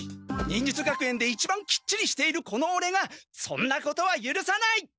忍術学園で一番きっちりしているこのオレがそんなことはゆるさない！